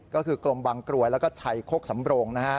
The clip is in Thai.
ก็คือกลมวังกลวยแล้วก็ชายโคกสำโปรง